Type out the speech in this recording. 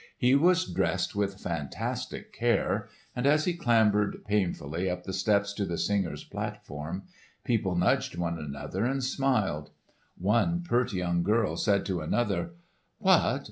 He was dressed with fantastic care, and as he clambered painfully up the steps to the singer's platform, people nudged one another and smiled. One pert young girl said to another, "What!